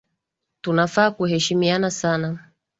Tunafaa kuheshimiana sana